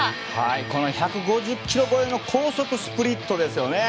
この１５０キロ超えの高速スプリットですよね。